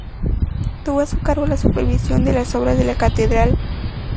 Tuvo a su cargo la supervisión de las obras de la catedral.